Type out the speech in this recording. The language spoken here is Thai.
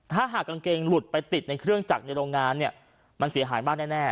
ถ้าหากกางเกงหลุดไปติดในเครื่องจักรในโรงงานเนี่ยมันเสียหายมากแน่